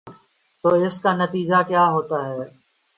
تو اس کا نتیجہ کیا ہو تا ہے۔